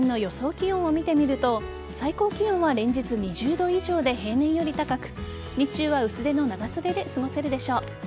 気温を見てみると最高気温は連日２０度以上で平年より高く日中は薄手の長袖で過ごせるでしょう。